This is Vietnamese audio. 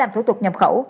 thủ tục nhập khẩu